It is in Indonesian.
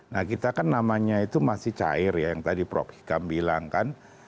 nah kita kan namanya itu masih cair ya yang tadi prof hikam bilang kan